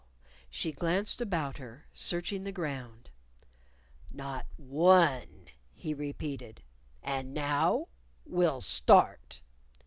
she glanced about her, searching the ground. "Not one," he repeated. "And now we'll start."